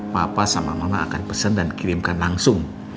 papa sama mama akan pesen dan kirimkan langsung